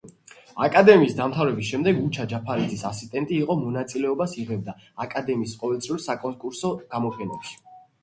აკადემიის დამთავრების შემდეგ უჩა ჯაფარიძის ასისტენტი იყო, მონაწილეობას იღებდა აკადემიის ყოველწლიურ საკონკურსო გამოფენებში.